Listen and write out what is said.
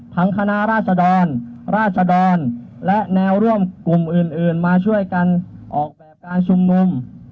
คณะราชดรราชดรและแนวร่วมกลุ่มอื่นมาช่วยกันออกแบบการชุมนุม